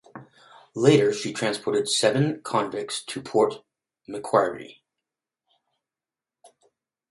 Later she transported seven convicts to Port Macquarie.